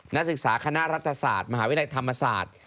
นักศึกษาคณะรัฐศาสตร์มหาวิทยาลัยธรรมศาสตร์